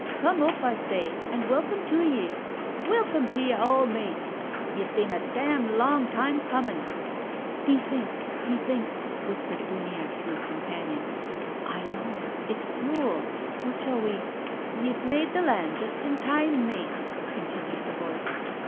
Come up, I say, and welcome to ye ! Welcome to ye all, mates. Ye've been a damned long time comin'." " He thinks — he thinks —" whispered Uniacke to his companion. " I know. It's cruel. What shall we—" " Ye've made the land just in time, mates," con tinued the voice.